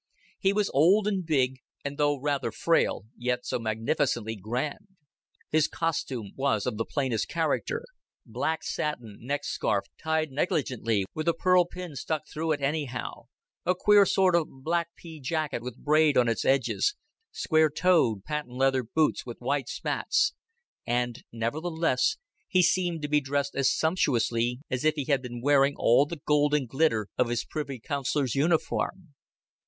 He was old and big, and though rather frail, yet so magnificently grand. His costume was of the plainest character black satin neck scarf tied negligently, with a pearl pin stuck through it anyhow, a queer sort of black pea jacket with braid on its edges, square toed patent leather boots with white spats and, nevertheless, he seemed to be dressed as sumptuously as if he had been wearing all the gold and glitter of his Privy Councilor's uniform.